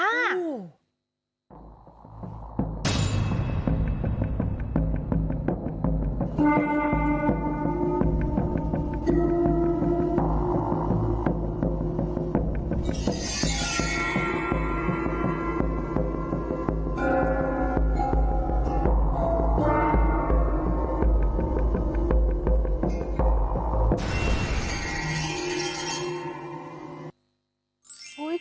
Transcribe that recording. วันสามสอง